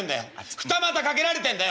二股かけられてんだよ！」。